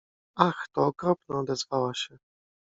— Ach, to okropne! — odezwała się.